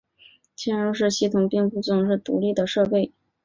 嵌入式系统并不总是独立的设备。